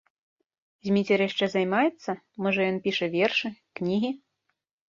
Зміцер яшчэ займаецца, можа, ён піша вершы, кнігі?